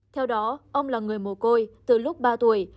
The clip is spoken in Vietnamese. theo đó ông là người mồ côi từ lúc ba tuổi